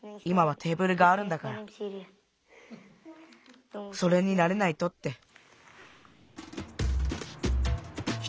いまはテーブルがあるんだからそれになれないと」って。